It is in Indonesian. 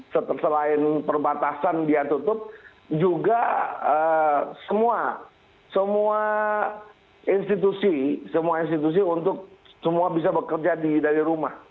tapi selain perbatasan dia tutup juga semua institusi untuk semua bisa bekerja dari rumah